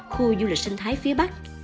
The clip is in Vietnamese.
khu du lịch sinh thái phía bắc